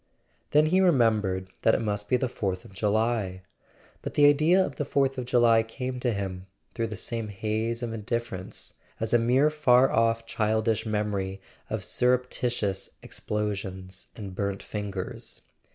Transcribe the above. Then he remembered that it must be the Fourth of July; but the idea of the Fourth of July came to him, through the same haze of indiffer¬ ence, as a mere far off childish memory of surreptitious [ 409 ] A SON AT THE FRONT explosions and burnt fingers.